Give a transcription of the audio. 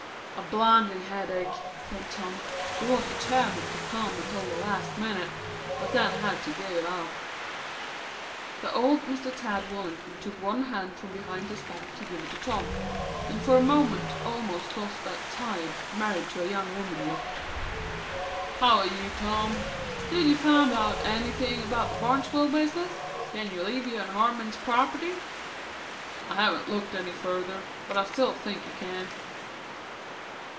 "A blinding headache," said Tom. "She was determined to come until the last minute, but then had to give it up." The old Mr. Tad Wallington took one hand from behind his back to give it to Tom, and for a moment almost lost that tired, married to a young woman look. "How a' you, Tom?" he said. "Did you find out anything about that Barnesville business? Can you levy on Harmon's property?" "I haven't looked any further, but I still think you can."